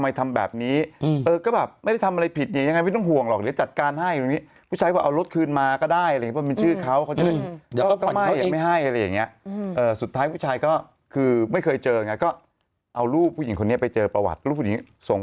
ไม่แรกก็ต้องโดนเบาก่อนสิคนเราไม่เวลาโดนโปร่งมันก็ต้องหวัง